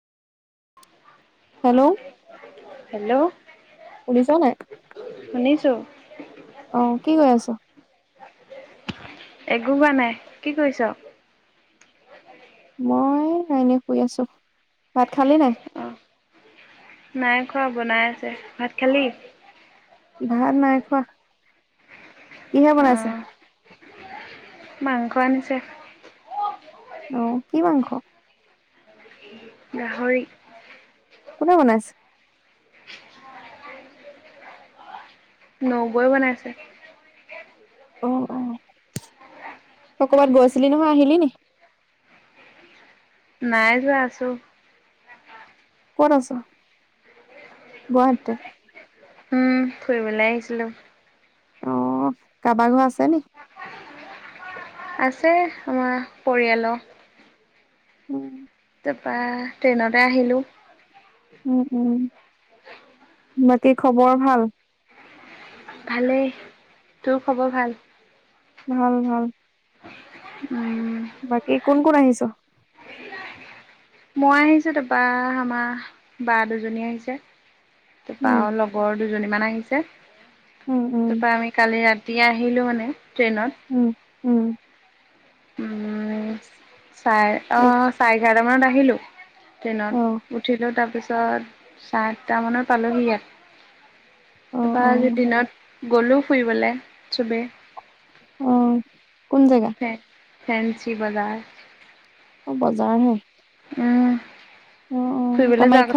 Hello hello, শুনিছ নাই শুনিছো। অঁ, কি কৰি আছ? একো কৰা নাই। কি কৰিছ? মই এনেই শুই আছো। ভাত খালি নাই? অঁহ, নাই খোৱা বনাই আছে। ভাত খালি? ভাত নাই খোৱা। কিহে অ বনাইছে? মাংস আনিছে। অহ, কি মাংস? গাহৰি। কোনে বনাইছে? নবৌয়ে বনাইছে। অঁ, অঁ, তই কবাত গৈ চিলি নহয় আহিলি নি? নাই যোৱা আছোঁ। কত আছ, গুৱাহাটীতে? উম ফুৰিবলৈ আহিছিলোঁ। অঁহ কাৰবাৰ ঘৰ আছে নি? আছে আমাৰ পৰিয়াল। উম। তাৰপা ট্ৰেইনতে আহিলোঁ। উম উম, বাকী খবৰ ভাল? ভালেই, তোৰ খবৰ ভাল? ভাল ভাল। উমঁ। বাকী কোন কোন আহিছ? মই আহিছো তাৰপা আমা বা দুজনী আহিছে তাৰপা উম আউ লগ- গৰ দুজনী মান আহিছে, উম উম তাৰপা আমি কালি ৰাতি আহিলো মানে ট্ৰেইনত। উম উম। চাৰ অ চাই এঘাৰটামানত আহিলোঁ অ ট্ৰেইনত উঠিলো তাৰপিছত চাই আঠা মানত পালোহি অ ইয়াত অ তাৰপা আজি দিনত গ'লোঁ ফুৰিবলে চবে। অঁহ কোন জেগা? ফে ফেন্ঞ্চি বজাৰ। অ বজাৰ হে। উমঁ। উম উম কামাখ্যা